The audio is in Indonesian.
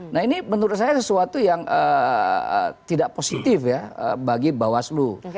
nah ini menurut saya sesuatu yang tidak positif ya bagi bawaslu